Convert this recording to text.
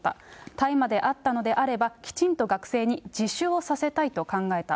大麻であったのであれば、きちんと学生に自首をさせたいと考えた。